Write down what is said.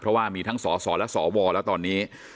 เพราะว่ามีทั้งสสและสวแล้วตอนนี้